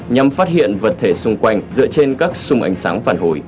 nhằm phát hiện vật thể xung quanh dựa trên các sung ánh sáng phản hồi